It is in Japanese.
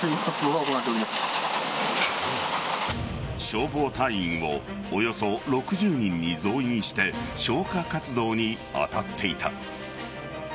消防隊員をおよそ６０人に増員して消火活動に当たっていた。